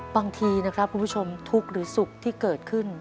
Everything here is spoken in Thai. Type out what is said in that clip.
บางทีนะครับคุณผู้ชมทุกข์หรือสุขที่เกิดขึ้น